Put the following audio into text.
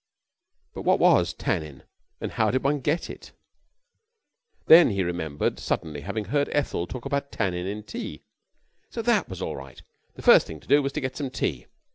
But what was "tannin'," and how did one get it? Then he remembered suddenly having heard Ethel talk about the "tannin'" in tea. So that was all right. The first thing to do was to get some tea.